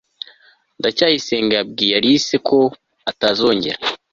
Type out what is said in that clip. ndacyayisenga yabwiye alice ko atazongera